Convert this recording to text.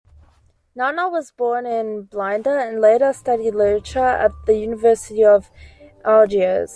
Nahnah was born in Blida and later studied literature at the University of Algiers.